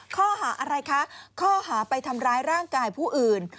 ข้อหาอะไรคะข้อหาไปทำร้ายร่างกายผู้อื่น